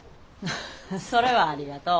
ハッそれはありがとう。